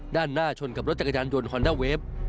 ด้านหน้าชนกับรถจักรยานยนต์ฮอนด้าเวฟ